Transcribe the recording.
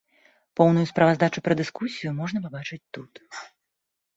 Поўную справаздачу пра дыскусію можна пабачыць тут.